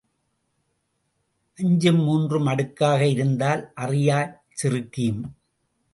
அஞ்சும் மூன்றும் அடுக்காக இருந்தால் அறியாச் சிறுக்கியும்.